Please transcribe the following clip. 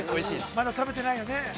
まだ食べてないよね。